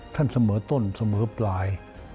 ท่านเสมอต้นเสมอปลาย